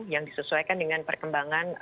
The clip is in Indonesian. yang disesuaikan dengan perkembangan